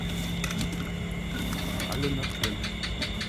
Alle natürlich.